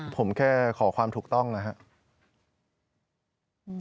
ผมแค่ขอความถูกต้องนะครับ